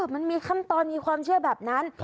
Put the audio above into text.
มันมีขั้นตอนมีความเชื่อแบบนั้น